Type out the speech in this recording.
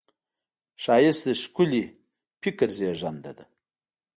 ښایست د ښکلي فکر زېږنده ده